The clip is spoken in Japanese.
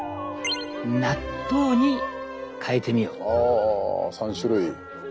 あ３種類。